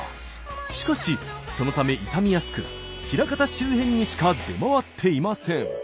しかしそのため傷みやすく枚方周辺にしか出回っていません。